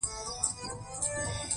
قلم د راتلونکي نسل لارښود دی